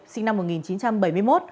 sinh năm một nghìn chín trăm bảy mươi một